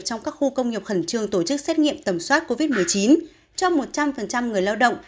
trong các khu công nghiệp khẩn trương tổ chức xét nghiệm tầm soát covid một mươi chín cho một trăm linh người lao động